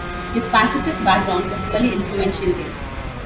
His pacifist background is clearly influential there.